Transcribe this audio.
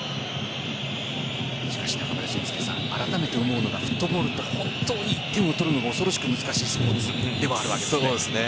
しかし、あらためて思うのがフットボールって本当に１点を取るのが恐ろしく難しいスポーツですね。